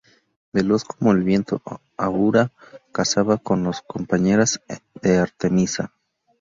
Veloz como el viento, Aura cazaba con las compañeras de Artemisa.